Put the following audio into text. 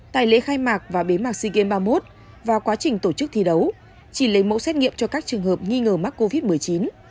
tại lễ khai mạc và bế mạc sea games ba mươi một vào quá trình tổ chức thi đấu chỉ lấy mẫu xét nghiệm cho các trường hợp nghi ngờ mắc covid một mươi chín